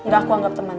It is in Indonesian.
gak aku anggap temen